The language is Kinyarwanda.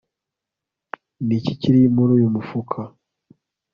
Ni iki kiri muri uyu mufuka